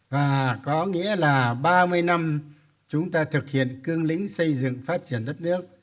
và có nghĩa là ba mươi năm chúng ta thực hiện cương lĩnh xây dựng phát triển đất nước